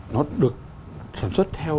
nó được sản xuất theo